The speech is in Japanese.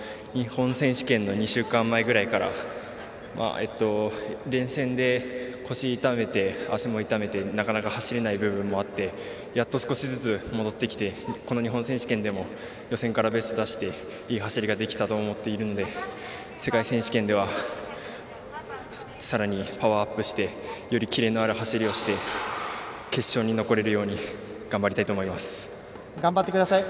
日本選手権の２週間前ぐらいから連戦で腰を痛めて足も痛めて、なかなか走れない部分もあってやっと少しずつ戻ってきてこの日本選手権でも予選からベストを出していい走りができたと思っているので世界選手権ではさらにパワーアップしてよりキレのある走りをして決勝に残れるように頑張ってください。